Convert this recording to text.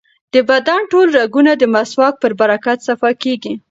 د بدن ټول رګونه د مسواک په برکت صفا کېږي.